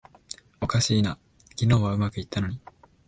おかしいな、昨日はうまくいったのに